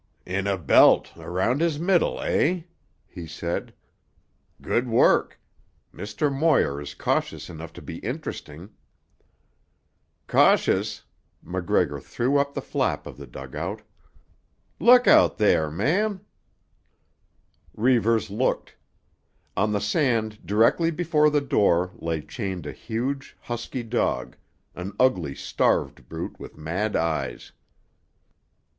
"In a belt, around his middle, eh?" he said. "Good work. Mr. Moir is cautious enough to be interesting." "Cautious!" MacGregor threw up the flap of the dugout. "Look out there, man." Reivers looked. On the sand directly before the door lay chained a huge, husky dog, an ugly, starved brute with mad eyes.